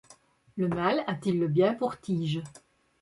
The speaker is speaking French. Le mal a-t-il le bien pour tige ?